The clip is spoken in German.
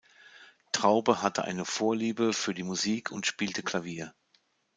Traube hatte eine Vorliebe für die Musik und spielte Klavier.